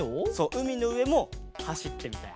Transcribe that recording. うみのうえもはしってみたい。